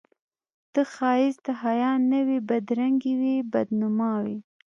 ته ښایست د حیا نه وې بدرنګي وې بد نما وې